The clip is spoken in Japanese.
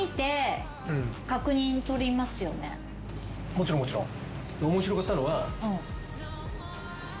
もちろんもちろん。